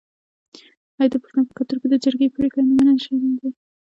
آیا د پښتنو په کلتور کې د جرګې پریکړه نه منل شرم نه دی؟